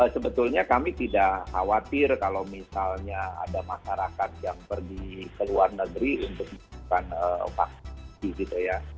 sebetulnya kami tidak khawatir kalau misalnya ada masyarakat yang pergi ke luar negeri untuk melakukan vaksinasi gitu ya